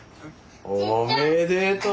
おめでとう！